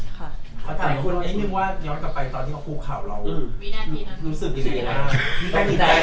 ถ้าถ่ายคุณอีกนิดนึงว่าเดี๋ยวจะไปตอนที่เขาพูดข่าวเรา